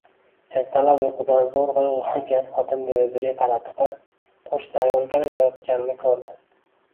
Ertalab uyqudan zoʻrgʻa uygʻongan xotin derazaga qaradi va qoʻshni ayol kir yoyayotganini koʻrdi